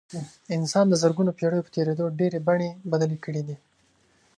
انسان د زرګونو پېړیو په تېرېدو ډېرې بڼې بدلې کړې دي.